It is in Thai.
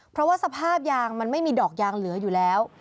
เพราะว่าสภาพยางมันไม่มีดอกยางเหลืออยู่แล้ว